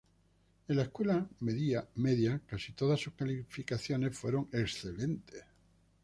En la escuela media, casi todas sus calificaciones fueron excelentes.